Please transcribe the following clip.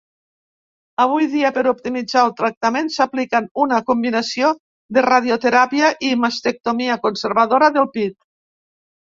Avui dia, per optimitzar el tractament s'apliquen una combinació de radioteràpia i mastectomia conservadora del pit.